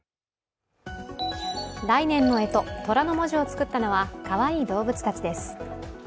来年のえと、とらの文字を作ったのはかわいい動物たちです。